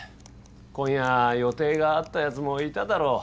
今夜予定があったやつもいただろう。